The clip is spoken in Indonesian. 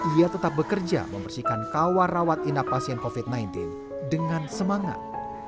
ia tetap bekerja membersihkan kamar rawat inap pasien covid sembilan belas dengan semangat